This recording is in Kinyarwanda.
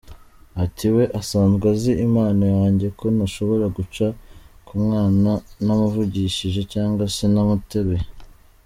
Ati “ We asanzwe azi impano yanjye ko ntashobora guca kumwana ntamuvugishije cyangwa se ntamuteruye.